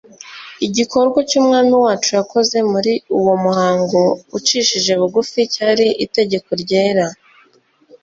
Igikorwa cy'Umwami wacu yakoze muri uwo muhango ucishije bugufi cyari itegeko ryera,